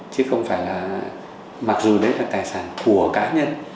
chứ không phải là mặc dù đấy là tài sản của cá nhân